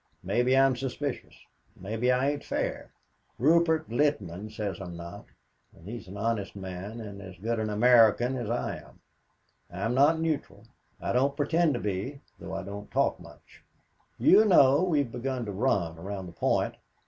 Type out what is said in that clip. Maybe I'm suspicious maybe I ain't fair. Rupert Littman says I'm not, and he's an honest man and as good an American as I am. I'm not neutral. I don't pretend to be, though I don't talk much. You know we've begun to run around the Point.